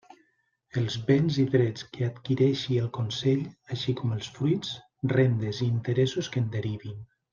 Els béns i drets que adquireixi el Consell, així com els fruits, rendes i interessos que en derivin.